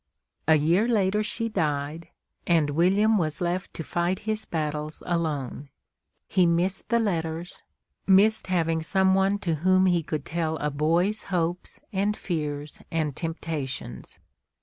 A year later she died, and William was left to fight his battles alone. He missed the letters, missed having some one to whom he could tell a boy's hopes and fears and temptations.